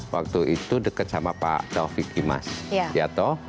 waktu itu dekat sama pak taufik imas ya toh